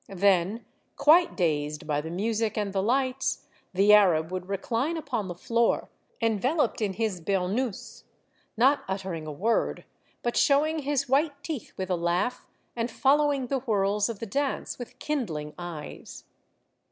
Then, quite dazed by the music and the lights, the Arab would recline upon the floor, enveloped in his bur nous, — not uttering a word, but showing his white teeth with a laugh, and following the whirls of the dance with kindling eyes.